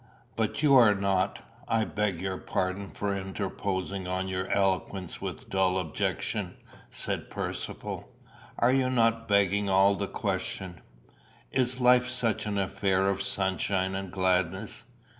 "But are you not I beg your pardon for interposing on your eloquence with dull objection," said Percivale "are you not begging all the question? Is life such an affair of sunshine and gladness?"